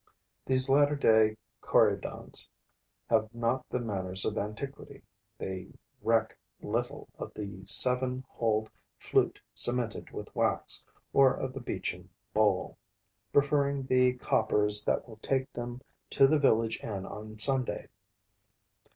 These latter day Corydons have not the manners of antiquity: they reck little of the seven holed flute cemented with wax, or of the beechen bowl, preferring the coppers that will take them to the village inn on Sunday.